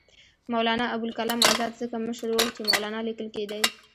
مولنا ابوالکلام آزاد ځکه مشر وو چې مولنا لیکل کېدی.